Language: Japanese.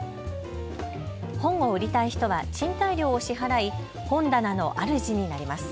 本を売りたい人は賃貸料を支払い本棚のあるじになります。